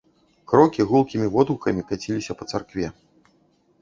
Крокі гулкімі водгукамі каціліся па царкве.